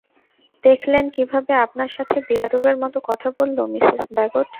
দেখলেন কিভাবে আপনার সাথে বেয়াদবের মতো কথা বলল, মিসেস ব্যাগট।